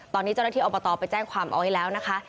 ตอนนี้เจ้าหน้าที่อบตไปแจ้งความเอาไว้แล้วนะคะ